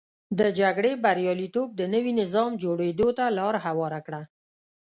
د جګړې بریالیتوب د نوي نظام جوړېدو ته لار هواره کړه.